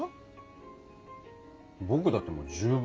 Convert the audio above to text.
僕だってもう十分。